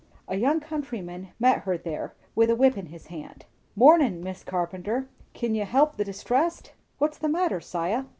A young countryman met her there, with a whip in his hand. "Mornin', Mis' Carpenter. Kin you help the distressed?" "What's the matter, 'Siah?"